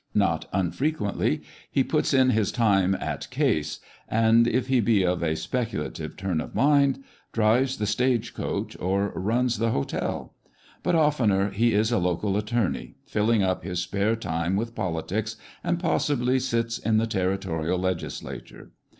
Not unfrequently " he puts in his time at case;" and if he be of a speculative turn of mind, drives the stage coach, or " runs" the hotel ; but oftener, he is a local attorney, filling up his spare time with politics, and possibly sits in the territorial legislature.